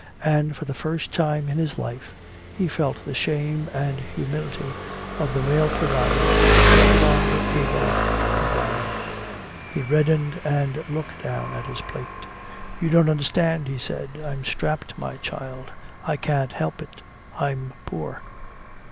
And for the first time in his life he felt the shame and humility of the male provider no longer able to provide. He reddened and looked down at his plate. "You don't understand," he said. "I'm strapped, my child I can't help it I'm poor."